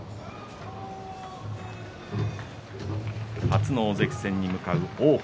初の大関戦に向かう王鵬